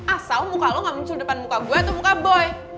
asal muka lo gak muncul depan muka gue atau muka boy